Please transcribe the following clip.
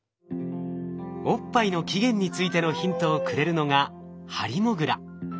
おっぱいの起源についてのヒントをくれるのがハリモグラ。